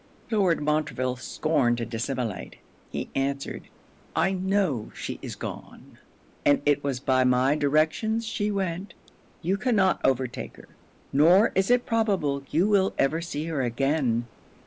Lord Montreville scorned to dissimulate. He answered, 'I know she is gone, and it was by my directions she went. You cannot overtake her; nor is it probable you will ever see her again.